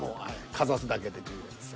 かざすだけで充電です。